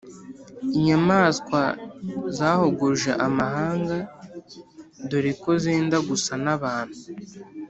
inyamaswa zahogoje amahanga dore ko zenda gusa n’abantu.